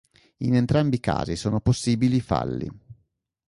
In entrambi i casi sono possibili i falli.